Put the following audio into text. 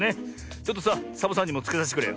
ちょっとさサボさんにもつけさせてくれよ。